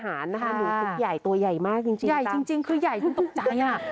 นะคะหนูภุกใหญอ่ะตัวใหญ่มากจริงจริงคือใหญ่ฉันตกใจอ่ะ